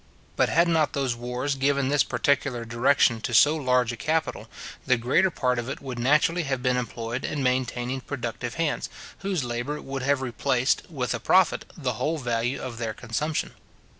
But had not those wars given this particular direction to so large a capital, the greater part of it would naturally have been employed in maintaining productive hands, whose labour would have replaced, with a profit, the whole value of their consumption.